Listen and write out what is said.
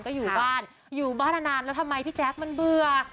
ก็อยู่บ้านอยู่บ้านนานแล้วทำไมพี่แจ๊คมันเบื่อ